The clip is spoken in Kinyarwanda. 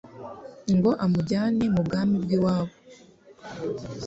ngo amujyane mu bwami bw'iwabo